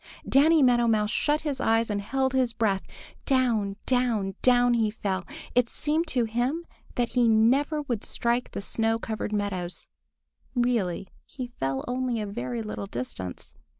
Danny Meadow Mouse shut his eyes and held his breath. Down, down, down he fell. It seemed to him that he never would strike the snow covered meadows! Really he fell only a very little distance.